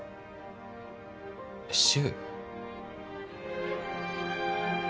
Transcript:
柊？